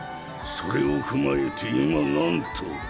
それを踏まえて今なんと？